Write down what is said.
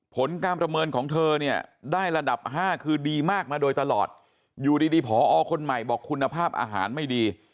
ผลการประเมินของเธอเนี่ยได้ระดับ๕คือดีมากมาโดยตลอดอยู่ดีพอคนใหม่บอกคุณภาพอาหารไม่ดี